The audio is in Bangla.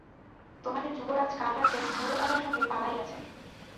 তােমাদের যুবরাজ কাল রাত্রে বুড় রাজার সঙ্গে পালাইয়াছে।